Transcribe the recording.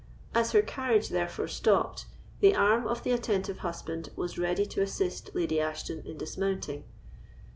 As her carriage, therefore, stopped, the arm of the attentive husband was ready to assist Lady Ashton in dismounting.